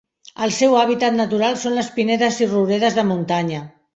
El seu hàbitat natural són les pinedes i rouredes de muntanya.